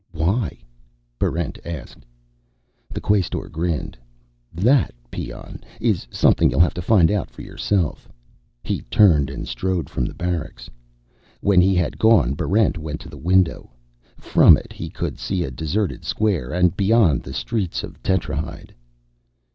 "Why?" Barrent asked. The Quaestor grinned. "That, peon, is something you'll have to find out for yourself." He turned and strode from the barracks. When he had gone, Barrent went to the window. From it he could see a deserted square and, beyond, the streets of Tetrahyde.